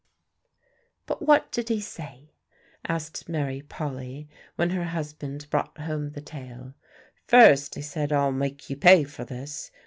"But what did he say?" asked Mary Polly, when her husband brought home the tale. "First he said, 'I'll make you pay for this.'